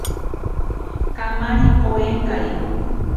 Kamari kowenkari.